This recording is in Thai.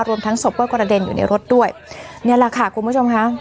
รวมทั้งศพก็กระเด็นอยู่ในรถด้วยนี่แหละค่ะคุณผู้ชมค่ะ